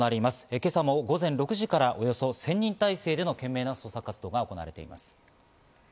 今朝も午前６時からおよそ１０００人体制で懸命な捜索活動が行われています。